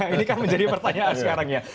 ini kan menjadi pertanyaan sekarang ya